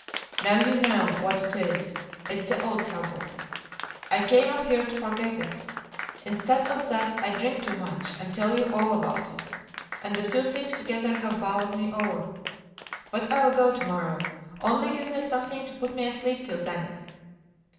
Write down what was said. Now you know what it is. It's the old trouble. I came up here to forget it; instead of that I drink too much and tell you all about it; and the two things together have bowled me over. But I'll go to morrow; only give me something to put me asleep till then."